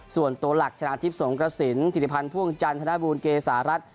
ส่วนตัวหลักชนะทิพย์สงกระสินธิริพันธ์พ่วงจันทนบูลเกษารัฐ